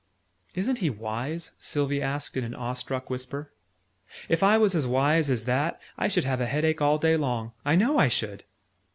"Isn't he wise?" Sylvie asked in an awestruck whisper. "If I was as wise as that, I should have a head ache all day long. I know I should!"